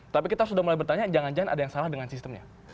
tapi kita sudah mulai bertanya jangan jangan ada yang salah dengan sistemnya